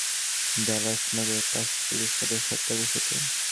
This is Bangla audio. কৃষ্ণাঙ্গ হত্যার সঙ্গে যোগ হয়েছে ডালাস নগরে পাঁচ পুলিশ সদস্য হত্যার বিষয়টি।